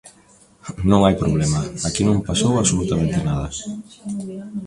Non hai problema, aquí non pasou absolutamente nada.